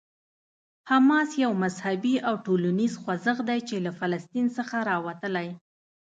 حماس یو مذهبي او ټولنیز خوځښت دی چې له فلسطین څخه راوتلی.